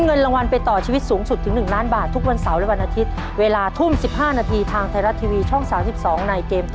แม่จะเอาไปซื้อฐานเพื่องเฟ้ยฟังให้น้องนะค่ะ